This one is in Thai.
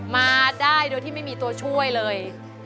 มาได้โดยที่ไม่มีตัวช่วยเลย